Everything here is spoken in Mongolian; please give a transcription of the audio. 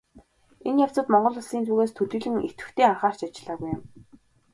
Энэ явцад Монгол Улсын зүгээс төдийлөн идэвхтэй анхаарч ажиллаагүй юм.